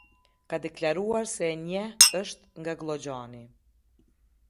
Ka deklaruar se e njeh, është nga Gllogjani.